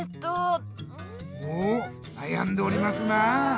おなやんでおりますな。